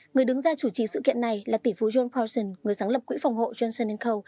người đứng ra chủ trì sự kiện này là tỷ phú john powceon người sáng lập quỹ phòng hộ johnson inco